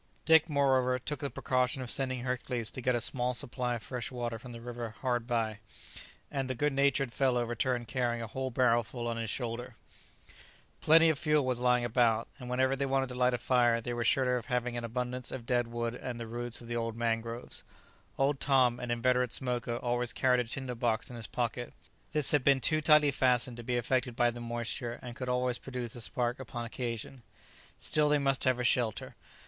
Dick, moreover, took the precaution of sending Hercules to get a small supply of fresh water from the river hard by, and the good natured fellow returned carrying a whole barrel full on his shoulder. [Illustration: Surveying the shore with the air of a man who was trying to recall some past experience] Plenty of fuel was lying about, and whenever they wanted to light a fire they were sure of having an abundance of dead wood and the roots of the old mangroves. Old Tom, an inveterate smoker, always carried a tinder box in his pocket; this had been too tightly fastened to be affected by the moisture, and could always produce a spark upon occasion. Still they must have a shelter.